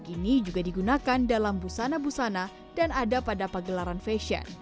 ini juga digunakan dalam busana busana dan ada pada pagelaran fashion